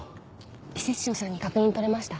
施設長さんに確認取れました。